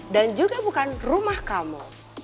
dan juga bukan rumah kamu